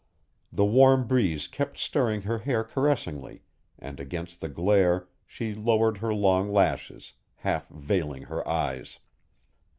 The warm breeze kept stirring her hair caressingly and, against the glare, she lowered her long lashes, half veiling her eyes.